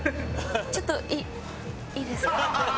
ちょっといいいいですか？